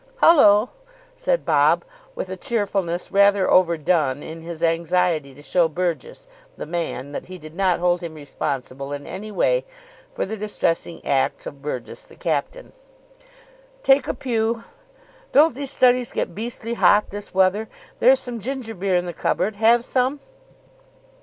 "Hullo," said Bob, with a cheerfulness rather over done in his anxiety to show Burgess, the man, that he did not hold him responsible in any way for the distressing acts of Burgess, the captain. "Take a pew. Don't these studies get beastly hot this weather. There's some ginger beer in the cupboard. Have some?"